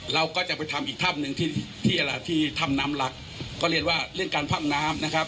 เราก็จะไปทำอีกถ้ำหนึ่งที่ที่อะไรที่ถ้ำน้ำหลักก็เรียนว่าเรื่องการพ่ำน้ำนะครับ